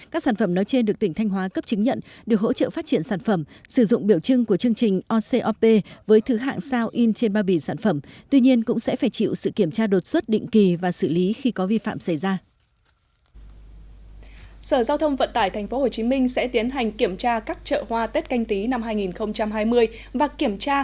các sản phẩm nói trên được tỉnh thanh hóa cấp chứng nhận được hỗ trợ phát triển sản phẩm sử dụng biểu trưng của chương trình ocop với thứ hạng sao in trên ba bỉ sản phẩm tuy nhiên cũng sẽ phải chịu sự kiểm tra đột xuất định kỳ và xử lý khi có vi phạm xảy ra